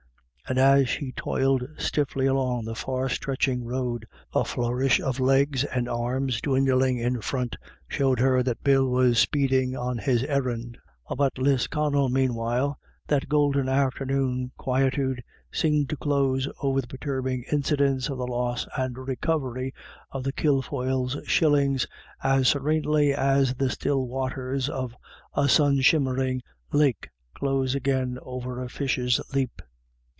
And as she toiled stiffly along the far stretching road, a flourish of legs and arms dwindling in front showed her that Bill was speeding on his errand. Up at Lisconnel, meanwhile, that golden after noon quietude seemed to close over the perturbing incidents of the loss and recovery of the Kilfoyles' shillings as serenely as the still waters of a sun shimmering lake close again over a fish's leap.